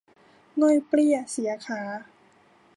ง่อยเปลี้ยเสียขา